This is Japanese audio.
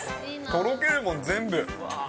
とろけるもん、全部。